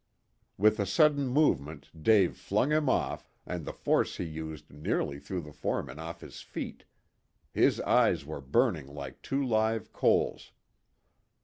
With a sudden movement Dave flung him off, and the force he used nearly threw the foreman off his feet. His eyes were burning like two live coals.